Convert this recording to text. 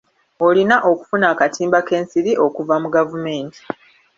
Olina okufuna akatimba k'ensiri okuva mu gavumenti.